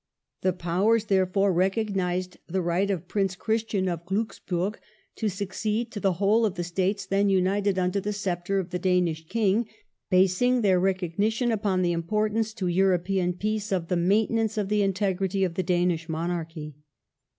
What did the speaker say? The Powers, therefore, recognized the right of Prince Christian of Gliicksburg to succeed to the whole of the States then united under the sceptre of the Danish King, basing their recogni tion upon the importance to European peace of " the maintenance of the integrity of the Danish Monarchy